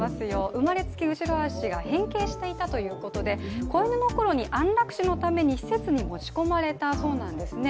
生まれつき後ろ足が変形していたということで子犬のころに安楽死のために施設に持ち込まれたということなんですね。